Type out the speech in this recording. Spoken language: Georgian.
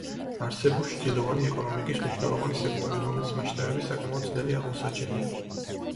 არსებობს ჩრდილოვანი ეკონომიკის მნიშვნელოვანი სექტორი, რომლის მასშტაბები საკმაოდ ძნელი აღმოსაჩენია.